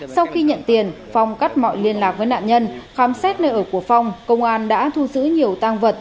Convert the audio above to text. sau khi nhận tiền phong cắt mọi liên lạc với nạn nhân khám xét nơi ở của phong công an đã thu giữ nhiều tăng vật